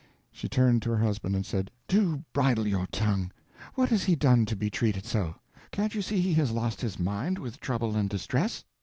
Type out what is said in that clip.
She turned to her husband and said, "Do bridle your tongue. What has he done to be treated so? Can't you see he has lost his mind, with trouble and distress?